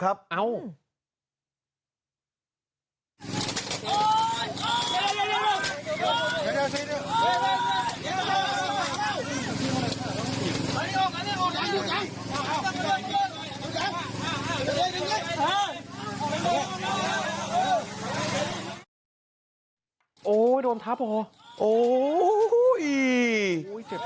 โอ้โหโดนทัพโอ้โห